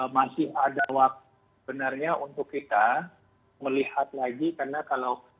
masih ada waktu benarnya untuk kita melihat lagi karena kalau